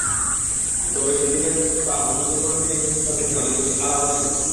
তবে সেদিনের ব্যস্ততাটা অন্য যেকোনো দিনের ব্যস্ততা থেকে অনেক বেশি আলাদা ছিল।